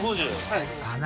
・はい。